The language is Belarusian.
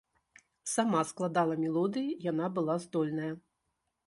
Сама складала мелодыі, яна была здольная.